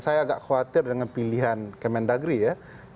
saya agak khawatir dengan pilihan kementerian negeri ya